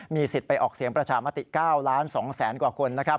สิทธิ์ไปออกเสียงประชามติ๙ล้าน๒แสนกว่าคนนะครับ